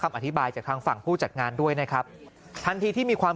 อธิบายจากทางฝั่งผู้จัดงานด้วยนะครับทันทีที่มีความ